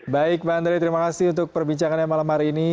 baik pak andre terima kasih untuk perbincangannya malam hari ini